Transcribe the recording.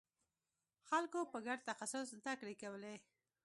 خلکو به ګډ تخصص زدکړې کولې.